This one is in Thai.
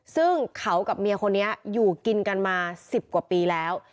ซึ่งเขากับเมียคนนี้อยู่กินกันมา๑๐กว่าปีแล้ว